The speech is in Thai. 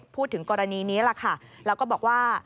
พูดถึงกรณีนี้ล่ะค่ะแล้วก็บอกว่า